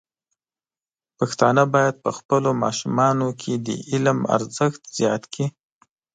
پښتانه بايد په خپلو ماشومانو کې د علم ارزښت زیات کړي.